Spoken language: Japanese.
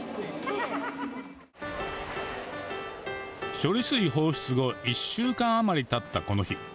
処理水放出後１週間余りたった、この日。